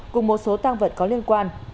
cùng một số tăng vật có liên quan